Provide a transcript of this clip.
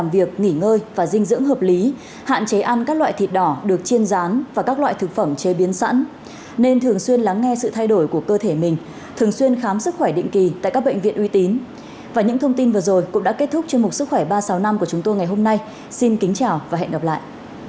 và những thông tin vừa rồi cũng đã kết thúc chương mục sức khỏe ba trăm sáu mươi năm của chúng tôi ngày hôm nay xin kính chào và hẹn gặp lại